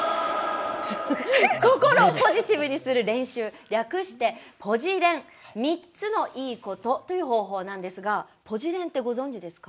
心をポジティブにする練習略して「ぽじれん３つのいいこと」という方法なんですがぽじれんってご存じですか？